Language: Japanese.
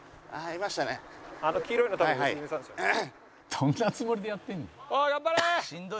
「どんなつもりでやってんねん」